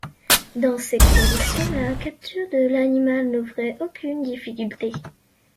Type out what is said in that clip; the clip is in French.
Dans ces conditions, la capture de l’animal n’offrait aucune difficulté.